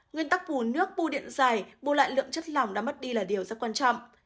nguyên tắc bù nước bù điện dài bù lại lượng chất lỏng đã mất đi là điều rất quan trọng